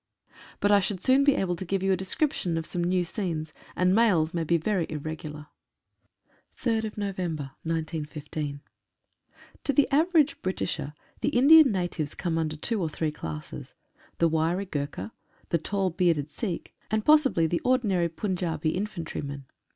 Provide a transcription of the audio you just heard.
but I should soon be able to give you a description of some new scenes, and mails may be very irregular. 141 INDIAN TYPES.— THE GURKHA. 3/11/15. O the average Britisher, the Indian natives come under two or three classes — the wiry Gurkha, the tall, bearded Sikh, and possibly the ordinary Pun jabi infantry man.